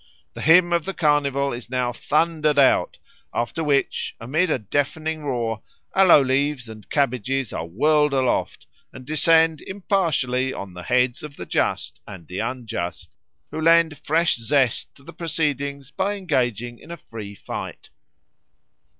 The hymn of the Carnival is now thundered out, after which, amid a deafening roar, aloe leaves and cabbages are whirled aloft and descend impartially on the heads of the just and the unjust, who lend fresh zest to the proceedings by engaging in a free fight.